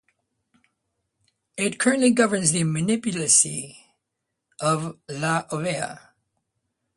It currently governs in the municipality of La Oliva.